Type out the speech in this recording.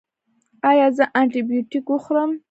ایا زه انټي بیوټیک وخورم؟